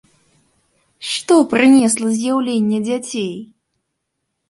Што прынесла з'яўленне дзяцей?